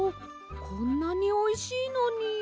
こんなにおいしいのに。